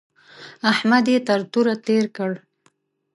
احمد يې تر توره تېر کړ.